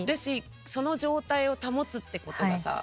その状態を保つってことがさ